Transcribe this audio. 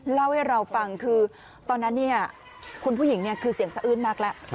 เล่าให้เราฟังคือตอนนั้นเนี่ยคุณผู้หญิงเนี่ยคือเสียงสะอื้นมากแล้ว